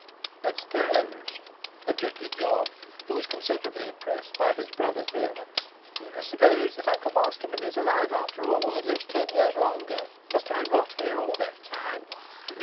'But suppose,' objected John, who was considerably impressed by his brother's vehemence, 'suppose that Uncle Masterman is alive after all, and lives ten years longer; must I rot here all that time?